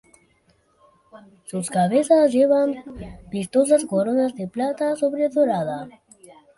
Sus cabezas llevan vistosas coronas de plata sobredorada.